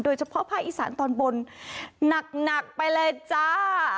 โดยเฉพาะภาคอีสานตอนบนหนักไปเลยจ้า